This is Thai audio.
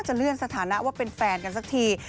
เลื่อนสถานะว่าเป็นแฟนกันสักที